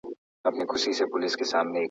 ټولنيز نظم به ښه سي.